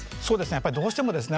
やっぱりどうしてもですね